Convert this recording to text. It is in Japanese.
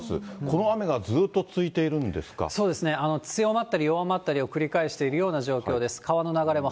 この雨がずっと続いているんですそうですね、強まったり弱まったりを繰り返しているような状況です。